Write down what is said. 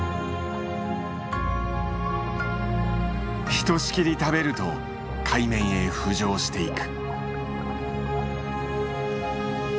ひとしきり食べると海面へ浮上していく。